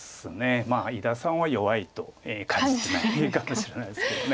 まあ伊田さんは弱いと感じてないかもしれないですけど。